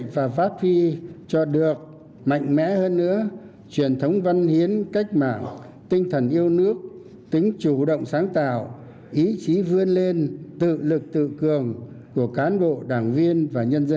với tuân chỉ sớm nhất nhanh nhất và chất lượng nhất